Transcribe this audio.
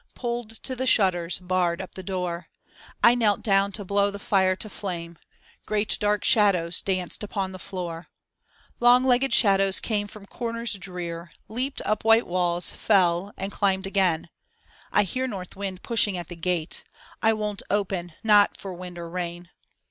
Pulled to the shutters, barred up the door; I knelt down to blow the fire to flame. Great dark shadows danced upon the floor. Long legged shadows came from comers drear. Leaped up white walls, fell^ and climbed again. I hear North Wind pushing at the gate, I won't open, not for wind or rain.